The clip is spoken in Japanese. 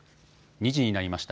２時になりました。